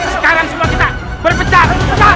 sekarang semua kita berpecah